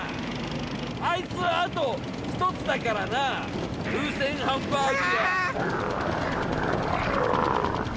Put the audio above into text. あいつはあと１つだからな、風船ハンバーグが。